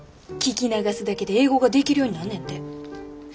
聞き流すだけで英語ができるようになんねんて。